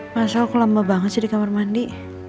masuk lama banget sih di kamar mandi